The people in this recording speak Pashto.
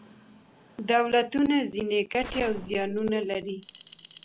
دولتونه ځینې ګټې او زیانونه لري.